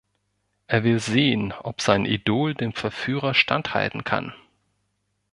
Er will sehen, ob sein Idol dem Verführer standhalten kann.